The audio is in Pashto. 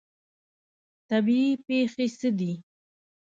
طبیعي پیښې څه دي؟